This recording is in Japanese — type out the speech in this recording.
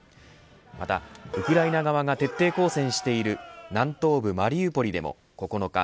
またウクライナ側が徹底抗戦している南東部マリウポリでも９日